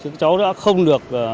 cháu đã không được